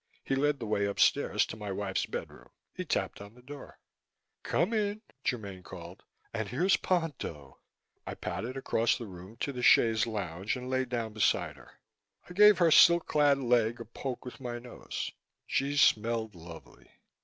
He led the way upstairs to my wife's bedroom. He tapped on the door. "Come in," Germaine called. "And here's Ponto!" I padded across the room to the chaise longue and lay down beside her. I gave her silk clad leg a poke with my nose. She smelled lovely.